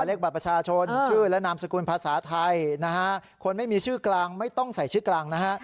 เลขบัตรประชาชนชื่อและนามสกุลภาษาไทยนะฮะคนไม่มีชื่อกลางไม่ต้องใส่ชื่อกลางนะฮะ